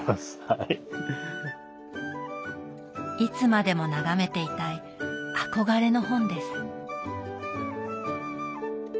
いつまでも眺めていたい憧れの本です。